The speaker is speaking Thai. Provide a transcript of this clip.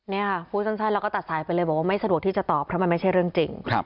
นี่ค่ะพูดสั้นแล้วก็ตัดสายไปเลยบอกว่าไม่สะดวกที่จะตอบเพราะมันไม่ใช่เรื่องจริง